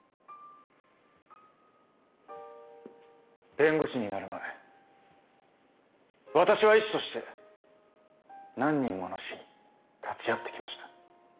弁護士になる前私は医師として何人もの死に立ち会ってきました。